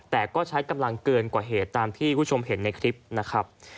แต่ก็ใช้กำลังเกินกว่าเหตุตามที่คุณผู้ชมเห็นในคลิปนะครับ